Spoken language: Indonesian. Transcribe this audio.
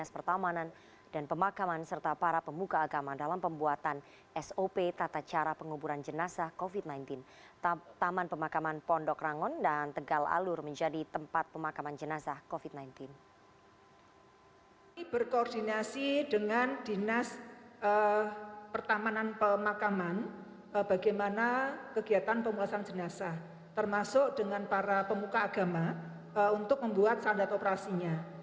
pertamanan pemakaman bagaimana kegiatan pemulasan jenazah termasuk dengan para pemuka agama untuk membuat standar operasinya